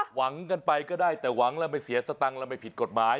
หวังกันไปก็ได้แต่หวังแล้วไม่เสียสตังค์แล้วไม่ผิดกฎหมาย